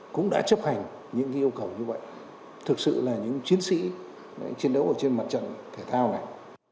cũng đã chấp hành những yêu cầu như vậy thực sự là những chiến sĩ chiến đấu ở trên mặt trận thể thao này